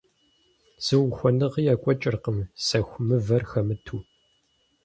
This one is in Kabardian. Зы ухуэныгъи екӀуэкӀыркъым сэху мывэр хэмыту.